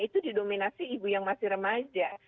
itu didominasi ibu yang masih remaja